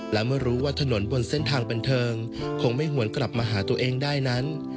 และเมื่อรู้ว่าถนนบนเส้นทางบันเทิงคงไม่หวนกลับมาหาตัวเองได้นั้น